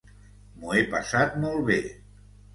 M'ho he passat molt bé.